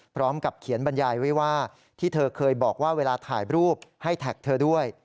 พร้อมกับเขียนบรรยายไว้ว่าที่เธอเคยบอกว่าเวลาถ่ายรูปให้แท็กเธอด้วย